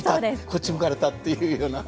こっち向かれた」っていうような。